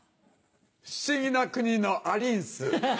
「不思議な国のアリンス」。